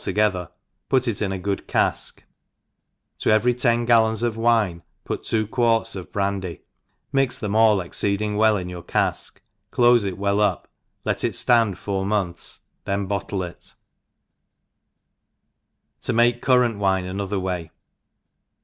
together, put it in a good caik : to every ten gal« Ions of wine put two quarts of brandy, mix them all exceeding well in your cafk,. clofe it well up, let it ftand four months, then bottle it* To make Currant Wine another way.